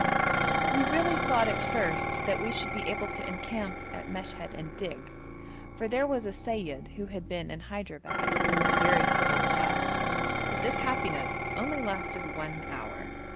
We really thought at first that we should be able to encamp at Meshed and dig, for there was a seyyid who had been in Hyderabad and was very civil to us, but this happiness only lasted one hour.